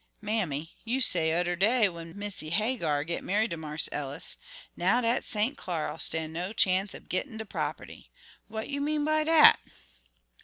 "Mammy, you say oder day when Missee Hagar git merried to Marse Ellis: 'Now dat St. Clar'll stan' no chance ob gittin' de property'; what you mean by dat?"